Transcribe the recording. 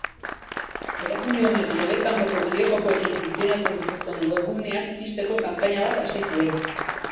Erakunde honek legez kanpoko bideojokoekin funtzionatzen dituzten webguneak izteko kanpainia bat hasi zuen.